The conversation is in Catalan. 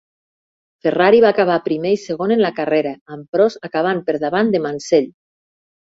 Ferrari va acabar primer i segon en la carrera, amb Prost acabant per davant de Mansell.